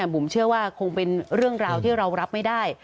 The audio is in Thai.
บุ๋มเชื่อว่าคงเป็นเรื่องราวที่เรารับไม่ได้